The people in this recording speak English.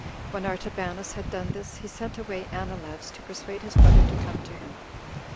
When Artabanus had done this, he sent away Anileus to persuade his brother to come to him.